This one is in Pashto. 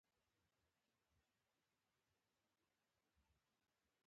ویل کېږي چې پخوا دلته د خرما یوه ونه هم وه.